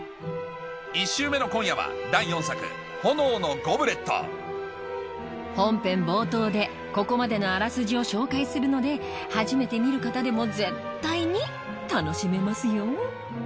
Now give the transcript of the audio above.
１週目の今夜は第４作『炎のゴブレット』本編冒頭でここまでのあらすじを紹介するので初めて見る方でも絶対に楽しめますよ